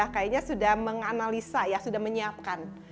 kayaknya sudah menganalisa ya sudah menyiapkan